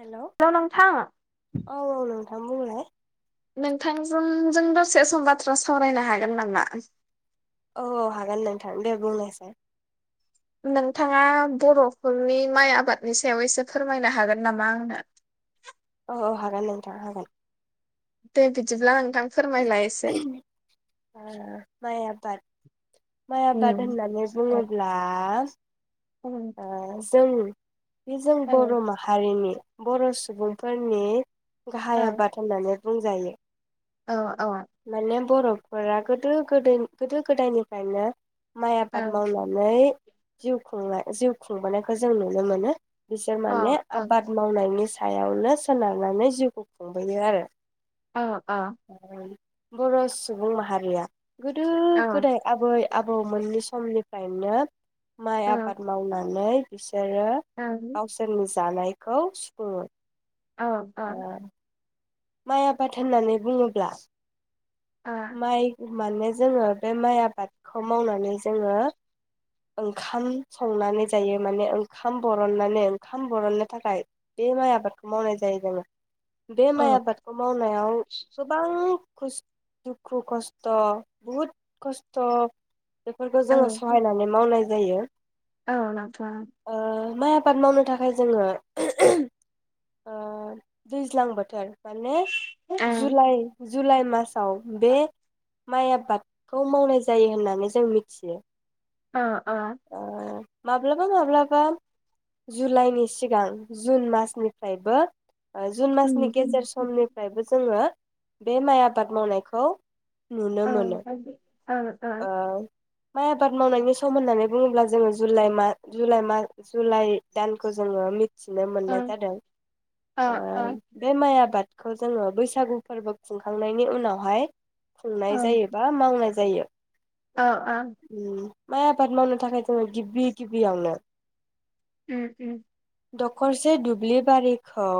हेल' औ औ [unintelligible] नोंथांजोंजों दसे सम बाथ्रा सावरायनो हागोन नामा? औ औ हागोन नोंथां दे बुंनायसाइ नोंथाङा बर'फोरनि माइ आबादनि सायाव एसे फोरमायनो हागोन नामा आंनो? औ हागोन नोंथा हागोन दे बिदिब्ला नोंथां फोरमायलाय एसे बाद माइ आबाद औ होननानै औ बुङोब्ला औ ओ जों बे जों बर' माहारिनि बर' सुबुंफोरनि औ गाहाया आबाद होननानै बुंजायो। औ माने बर'फोरा गोदो गोदो गोदो गोदायनिफ्रायनो माइ औ आबाद मावनानै जिउ खुंनाय जिउ खुंबोनायखौ जों नुनो मोनो। बिसोर औ माने आबाद मावनायनि सायावनो सोनारनानै जिउखौ खुंबोयो आरो अ अ बर' सुबुं माहारिया गोदो औ गोदाय आबै आबौ मोननि समनि गायनो माइ नोंथां आबाद मावनानै [unintelligible] [inaudible] दानायखौ सुफुंयो। औ आ माइ आबाद होननानै बुङोब्ला माइ माने जोङो बे माय आबाद मावनानै जोङो ओंखाम संनानै जायो माने ओंखाम बरननानै ओंखाम बरननो थाखाय बे माइ आबादखौ मावनाय जायो जोङो बे औ माइ आबादखौ मावनायाव गोबां खुस दुखु खस्थ' बहुत खस्थ' बेफोरखौ जोङो सहायनानै मावनाय जायो। औ नोथां। ओ माइ आबाद मावनो थाखाय जोङो ओ दैज्लां बोथोर माने जुलाय जुलाइ मास औ बे माइ आबादखौ मावनाय जायो होननानै जों मिथियो। आ आ। माब्लाब ब्ला माब्लाबा जुलाइनि सिगां जुन मासनिफ्रायबो ओ जुन मासनि गेजेर समनिफ्रायबो जोङो बे माइ आ आबाद मावनायखौ नुनो मोनो। अ अ। ओ माइ आबाद मावनायनि सम होननानै बुङोब्ला जोङो जुलाइ माह जुलाइ मास जुलाइ दानखौ जोङो मिथ मिथिनो मोननाय औ जादों। ओ बे माइ आबाद खो जोङो बैसागु फोरबो खुंखांनायनि उनावहाय खुंनाय जायोबा मावनाय जायो। अ अ। उम माइ आबाद मावनो थाखाय जोङो गिबि गिबियावनो उम उम। दखरसे दुब्लिबारिखौ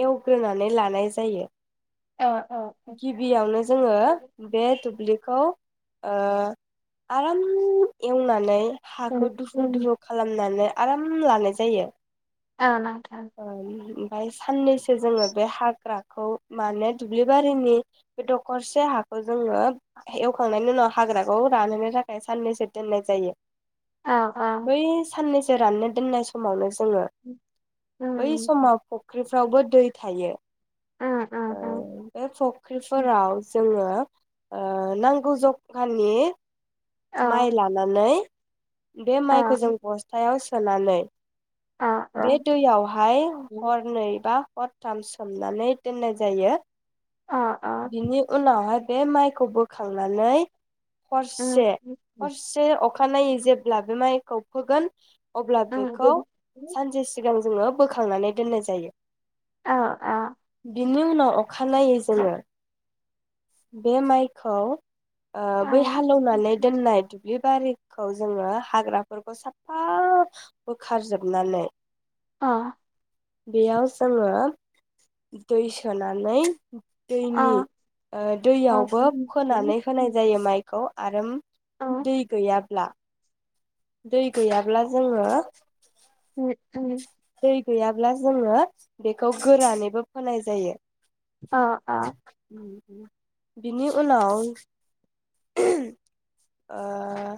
एवग्रोनानै लानाय जायो। ओ ओ गिबियावनो जोङो बे दुब्लिखौ ओ आराम एवनानै ओ हाखौ ओ दुहु दुहु खालामनानै आराम लानाय जायो। औ नोंथां। बायस साननैसो जोङो बे हाग्राखौ माने दुब्लिबारिनि बे दखरसे हाखौ जोङो एवखांनायनि उनाव हाग्राखौ रानहोनो थाखाय साननैसो दोननाय जायो। औ औ बै साननैस फोराननो दोननाय समावनो [unintelligible] उम बै उम समाव फोरावबो दै थायो। ओ बे उम फख्रिफोराव जोङो ओ नांगौ जखानि औ माइ लालाानानैै बे माइखौ जों बस्थायाव सोनानै औ बे औ दैयावहाय हर ब बा हरथाम सोमनानै दोननाय जायो औ बिनि उन बे माइखौ बोखांनानै उम हरसे उम उम हरसे अ अखानायै जेब्ला बे माइखौ फोगोन अब्ला औ बेखौ सानसे सिगां जोङो बोखांनानै दोननाय जायो औ औ। बिनि उनाव अखानायै जोंडो बे माइखौ ओ औ बै हालेवनानै दोननाय दुब्लि गारिखौ जोङो हाग्राफोरखौ साफा बोखारजोबनानै अ। बेयाव जोङो दै सोनानै अ दैनि ओ अ दैयावबो उम फोनानै होनाय उम जायो माइखौ आरो अ दै गैयाब्ला दै गैयाब्ला जोङो उम। दै गैयाब्ला जोङो बेखौ गोरानैबो फोनाय जायो आ आ। बिनि उनाव ओम ओ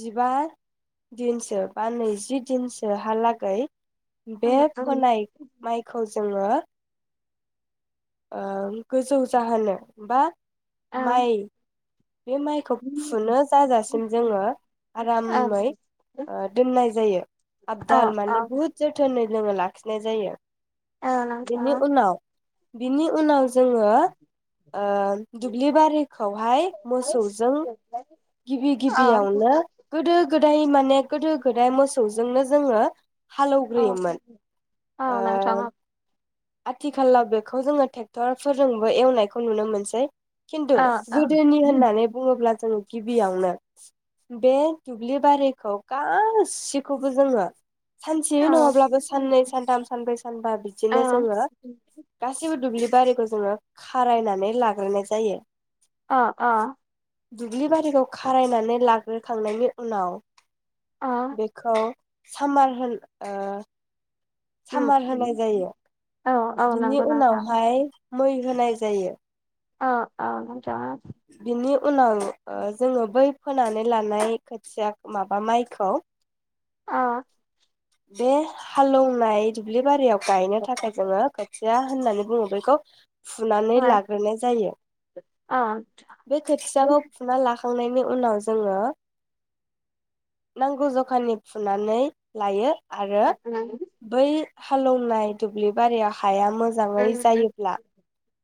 जिबा दिनसो बा नैजि दिनसोहालागै बे उम उम फोनाय माइखौ जोङो ओ गोजौ जाहोनो बा औ औ माय। बे माइखौ फुनो जाजासिम जोङो आरामै ओ दोननाय जायो आबदाल औ माने बुहुद जोथोनै जोङो लाखिनाय जायो औ नोंथां बिनि उनाव बिनि उनाव जोङो ओ दुब्लि बारिखौहाय औ मोसौजों गिबि औ गिबियावनो गोदो गोदाय माने गोदो गोदाय मोस जोंनो जोङो हालौग्रोयोमोन औ ओ नोंथां औ आथिखालाव बेफ खौ जोङो ट्रेक्टर फोरजोंबो एवनायखौ नुनो मोनसै। खिन्थु औ औ गोदोनि होननानै बुङोब्ला जों गिबियावनो बे दुब्लि बारिखौ गासैखौबो जोङो सानसेयै नङाब्लाबो साननै सानथाम सानब्रै सानबा बिदिनो जोङो सैबो दुब्लि बारिखौ जोङो खारायनानै लाग्रोनाय जायो। औ दुब्लि बारिखौ खारायनानै लाग्रोखांनायनि उनाव अ बेखौ सामार होन ओ उम सामार होनाय उम जायो औ औ बिनि नंगौ नोंथां उनावहाय मै होनाय जायो। अ औ नोंथाङा बिनि उनाव ओ जोङो बै फोनानै लानाय खोथिया माबा माइखौ अ बे हालेवनाय दुब्लि बारियाव गायनो थाखाय जोङो खोथिया होननानै बुङो बेखौ फुनानै लाग्रोनाय जायो। ओ बे खोथियाखौ फुना लाखांनायनि उनाव जोङो नांगौ ज'खानि फुनानै लायो। आरो बै हालेवनाय दुब्लि बारियाव हाया मोजाङै जायोब्ला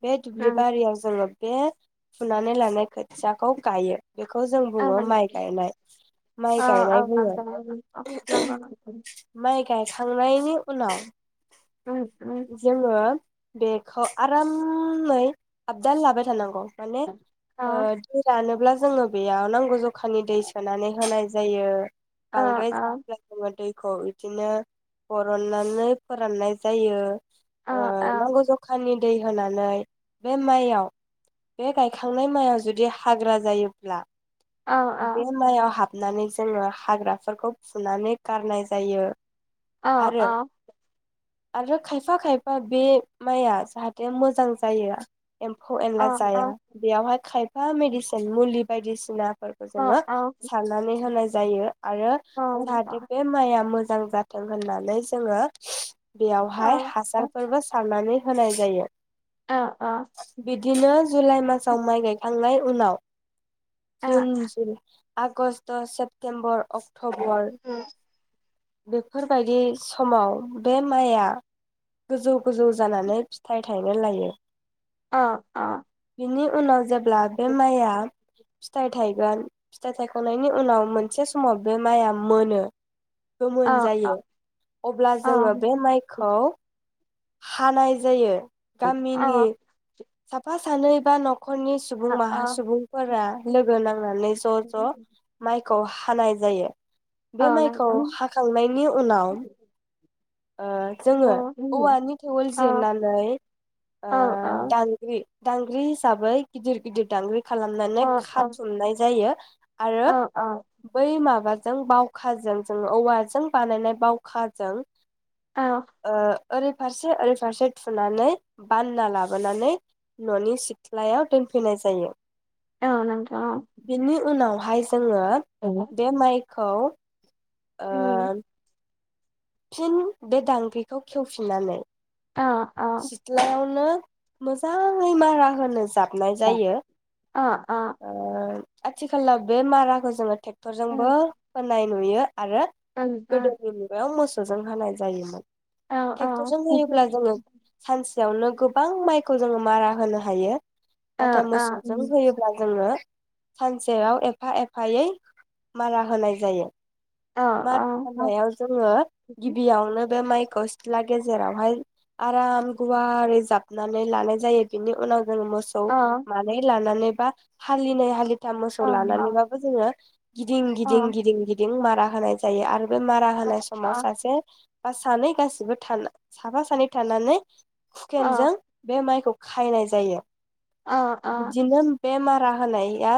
बे दुब्लि बारियाव जोङो बेब फुनानै लानाय खोथियाखौ गायो। बेखौ जों बुङो माइ गायनाय माइ गायनाय बुङो। नंगौ उम माइ गायखांनायनि उनाव उम जोङो बेखौ आरामै आपडान लाबाय थानांगौ। माने औ ओ दै रानोब्लाज जोङो बेयाव नांगौ जखानि दै सोनानै होनाय जायो। औ बांद्राय औ [unintelligible] दै खौ इदिनो बर'ननानै फोराननाय जायो। औ ओ औ नांगौ जखानि दै होनानै बे माइआव बे गायखांनाय मायाव जुदि हाग्रा जायोब्ला औ औ बे माइयाव हाब नानै जोङो हाग्राफोरखौ फुनानै गारनाय जायो। अ आरो अ आरो खायफा खायफा बे माइया जाहाथे मोजां जायो एम्फौ एन जाया बेयावहाय खायफा मेडिसिन मुलि बायदिसिना फोरखौ औ जोङो औ सारनानै होनाय जायो आरो औ जाहाथे बे माइआ मोज जां जाथों होननानै जोङो बेयावहाय हासारफोरबो सारनानै होनाय जायो। अ अ दिनो जुलाइ मासाव माइ गायखांनाय उनाव जुन जु आगष्ट, सेप्तेम्बर, अक टबल बेफोरबायदि समाव बे माइया गोजौ गोजौ जानानै फिथाइ थायनो लायो। अ अ बिनि उनाव जेब ब्ला बे माइया फिथाइ थाइगोन, फिथाय थायखांनायनि उनाव मोनसे समाव बे माइआ मोनो। गोमोन जायो अब्ला जोङो बे माइखौ हानाय जायो। गामिनि साफास सानै बा नक खनि सुबुं औ माहा सुबुंफोरा लोगो नांनानै ज ज माइ खौ हानाय जायो। बे माइखौ हाखांनायनि उनाव ओ जोङो औवानि थेवोल जिरनानै ओ दांग्रि दांग्रि हिसाबै गिदिर गिदिर दांग्रि खालामनानै खाथुमनाय जायो आरो बै माबा जों बावखाजों जों औवाजों बानायनाय बावखाजों औ ओ ओरै फारसे ओरै फारसे थुनानै बानना लाबोनानै ननि सिथ्लायाव दोनफैनाय जायो औ नोंथां औ बिनि [unintelligible] जोङो बे माइ खौ उम फिन बे दांगख्रिखौ खेवफिननानै सितलायावनो मोजाङै मारा होनो जाब हाबनाय जायो ओ आथिखालाव बे माराखौ जोङो थेक क्टर जोंबो होनाय नुयो आरो गोदोनि नुगायाव मोस सौजों होनाय जायोमोन औ औ ट्रेक्टरजों होयोब्ला जोङो सानसेयावनो गोबां माइखौ जोङो मारा होनो हायो नाथाय मोसौजों होयोब्ला जोङो सानसेयाव एफा एफायै मारा होनाय जायो मारा होनायाव जोङो गिबियावनो बे माइ खौ सिथ्ला गेजेरावहाय आराम गुवारै जाबनानै लानाय जायो बेनि उनाव जों मोसौ मानै लानानै बा हालिनै हालि फिसा मोसौ लानानैबाबो जोङो गिदिं गिदिं गिदिं गिदिं मारा होनाय जायो आरो बेमारा होनाय समाव सासे बा सानै गासिबो थानो साफा सानै थानानै खुकेनजों बे माइखौ खायनाय जायो। बिब्दिनो बे मा रा होनाया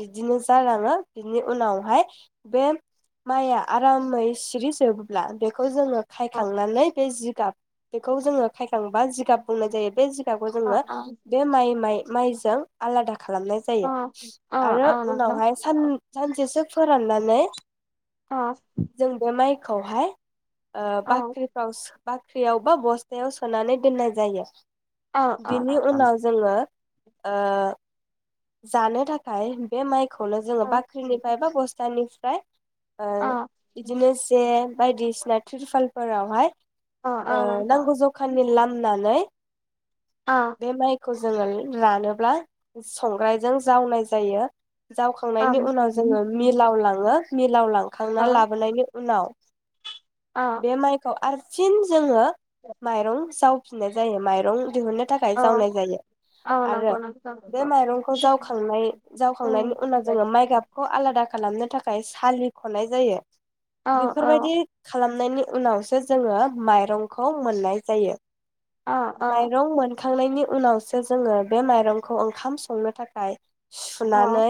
बिदिनो जालाङो बिनि उनावहाय बे माइया आरामै सिरि जोबोब्ला बेखौ जोङो खायखांनानै बे जिब गाब बेखौ जोङो खायखांबा जिगाब बुंनाय जायो बे जिग गाबखौ जोङो बे माइ माइ माइजों आलादा खालामनाय जायो। आरो उनावहाय सान सानसेसो फोराननानै जों बे माइ खौहाय। ओ बाख्रिफ्रावसो बाख्रियाव खौ बस्थायाव सोनानै दोननाय जायो। बिनि उनाव जोङो ओ जानो थाखाय बे माइ खौनो जोङो बाख्रिनिफ्राय बा गसथानि फ्राय ओ इदिनो जेन बायदिसिना तिरपालफोरावहाय ओ नांगौ जखानि लामनानै बे माइखौ खौ जोङो रानोब्ला संग्रायजों जावनाय जायो। जावखांनायनि उनाव जोङो मिलाव लाङो मिलाव लांखांना लाबोनायनि उनाव बे माइखौ आरस चिनस जोङो माइरं जाव फिनाय जायो माइरं दिहुननो थाखाय जावनाय जायो आरो बे माइरंखौ जावखांनाय जावखांनायनि उनाव जोङो माइ गाबखौ आलादा खालामनो थाखाय सालिखनाय जायो बेफोरबायदि खालाम नायनि उनावो जोङो माय रंखौ मोननाय जायो माइरं मोन खांनायनि उनावसो जोङो बे माइरंखौ ओंखाम संनो थाखाय सुनानै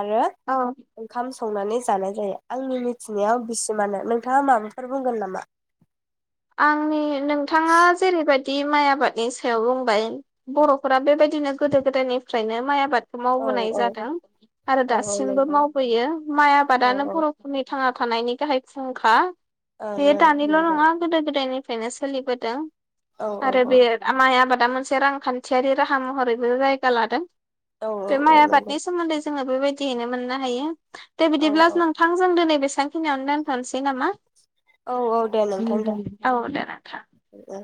आरो ओंखाम संनानै जानाय जायो आंनि मिथिनायाव बिसिमानो नोंथाङा माबाफोर बुंगोन नामा? आंनि नोंथाङा जेरैबायदि बि माइ आबादनि सायाव बुंबाय बर'फोरा बेबायदिनो गोदो गोदायनिफ्रायनो माइ आबाद औ मावबोनाय औ जादों आरो औ औ दासिमबो नंगौ मावबोयो माइ औ आबादानो औ बर'फोरनि थाङा थानायनि गाहाय फुंखा बे ओं दानिल' नंगौ नङा गोदोनिफ्रायनो सोलिबोदों औ आरो औ बे माइ आबाद दा मोनसे रांखान्थियारि राहा महरैबो जायगा लादों औ औ बे औ माइ नंगौ आबादनि सोमोन्दै जोङो बेबायदियैनो मोननो हायो दे औ बिदिब्ला औ नोंथांजों दिनै बे सांखिनियावनो दोनथ'नोसै नामा? औ औ दे नोंथां औ दे नोंथां दे